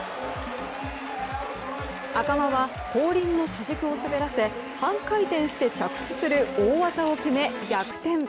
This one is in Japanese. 赤間は後輪の車軸を滑らせ半回転して着地する大技を決め逆転。